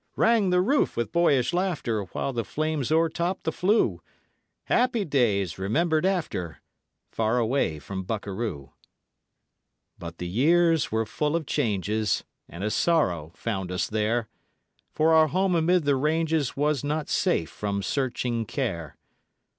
Rang the roof with boyish laughter While the flames o'er topped the flue; Happy days remembered after Far away from Bukaroo. But the years were full of changes, And a sorrow found us there; For our home amid the ranges Was not safe from searching Care.